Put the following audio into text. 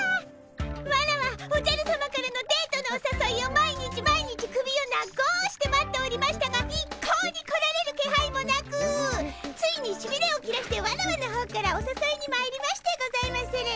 ワラワおじゃるさまからのデートのおさそいを毎日毎日首を長うして待っておりましたが一向に来られる気配もなくついにしびれを切らしてワラワの方からおさそいにまいりましてございまする。